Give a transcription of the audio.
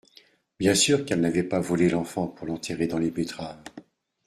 Bien sûr qu'elle n'avait pas volé l'enfant pour l'enterrer dans les betteraves.